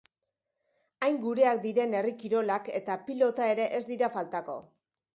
Hain gureak diren herri kirolak eta pilota ere ez dira faltako.